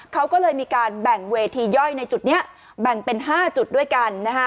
เขาก็เลยมีการแบ่งเวทีย่อยในจุดนี้แบ่งเป็น๕จุดด้วยกัน